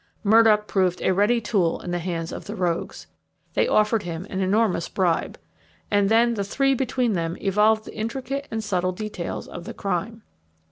Murdock proved a ready tool in the hands of the rogues. They offered him an enormous bribe. And then the three between them evolved the intricate and subtle details of the crime.